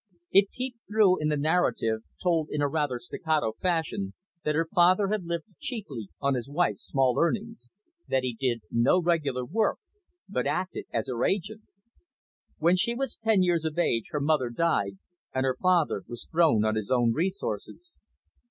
It peeped through the narrative, told in a rather staccato fashion, that her father had lived chiefly on his wife's small earnings, that he did no regular work, but acted as her agent. When she was ten years of age, her mother died, and her father was thrown on his own resources.